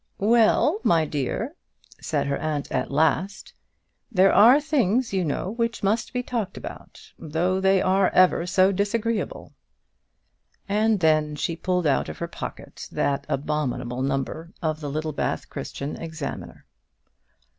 "Well, my dear," said her aunt at last, "there are things, you know, which must be talked about, though they are ever so disagreeable;" and then she pulled out of her pocket that abominable number of the Littlebath Christian Examiner.